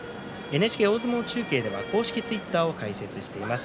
ＮＨＫ大相撲中継では公式ツイッターを開設しています。